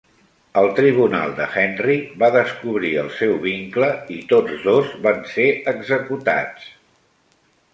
El tribunal de Henry va descobrir el seu vincle i tots dos van ser executats.